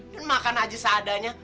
dan makan aja seadanya